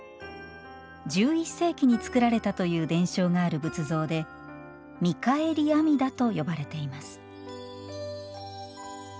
１１世紀に造られたという伝承がある仏像で「みかえり阿弥陀」と呼ばれています。